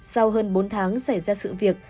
sau hơn bốn tháng xảy ra sự việc